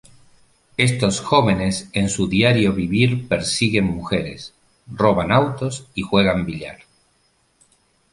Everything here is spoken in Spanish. Estos jóvenes en su diario vivir persiguen mujeres, roban autos y juegan billar.